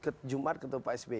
ke jumat ke tupai sbi